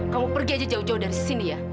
kamu pergi aja jauh jauh dari sini ya